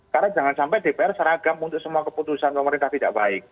karena jangan sampai dpr seragam untuk semua keputusan pemerintah tidak baik